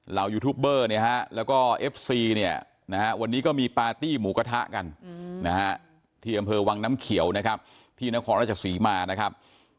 ยูทูปเบอร์เนี่ยฮะแล้วก็เอฟซีเนี่ยนะฮะวันนี้ก็มีปาร์ตี้หมูกระทะกันนะฮะที่อำเภอวังน้ำเขียวนะครับที่นครราชศรีมานะครับ